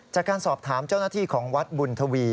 จากการสอบถามเจ้าหน้าที่ของวัดบุญทวี